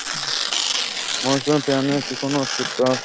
মহাশূন্যে প্রাণের কি কোনও অস্তিত্ব আছে?